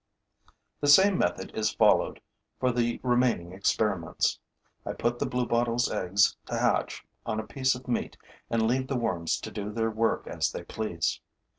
The same method is followed for the remaining experiments. I put the bluebottle's eggs to hatch on a piece of meat and leave the worms to do their work as they please.